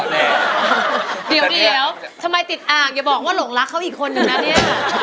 เดี๋ยวทำไมติดอ่างอย่าบอกว่าหลงรักเขาอีกคนนึงนะเนี่ย